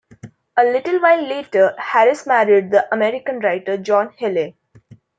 A little while later, Harris married the American writer John Ehle.